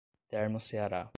Termoceará